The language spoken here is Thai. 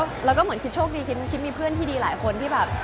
แล้วก็เหมือนคิดโชคดีคิดมีเพื่อนที่ดีหลายคนที่แบบ